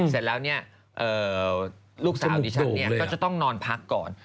เสร็จแล้วเนี่ยลูกสาวดิฉันเนี่ยก็จะต้องนอนพักก่อน